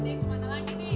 nih kemana lagi nih